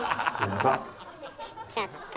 切っちゃった。